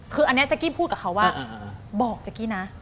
คืออันนี้เจ๊กกี้พูดกับเขาว่าบอกเจ๊กกี้นะ